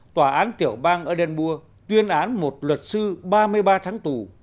tòa án tiểu bang ởdenburg tuyên án một luật sư ba mươi ba tháng tù